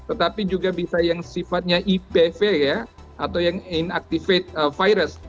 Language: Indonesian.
itu juga bisa yang sifatnya ipv ya atau yang inactivate virus